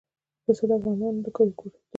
پسه د افغانانو د ګټورتیا برخه ده.